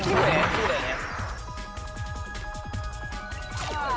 そうだよね。